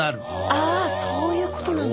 あそういうことなんだ。